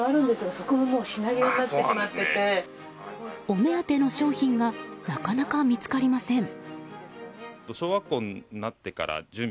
お目当ての商品がなかなか見つかりません。